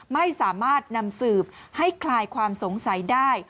ไม่สามารถนำสืบให้คลายความสงสัยได้